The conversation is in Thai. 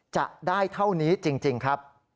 จะได้เท่านี้จริงครับ